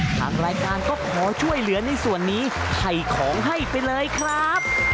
ทางรายการก็ขอช่วยเหลือในส่วนนี้ไถ่ของให้ไปเลยครับ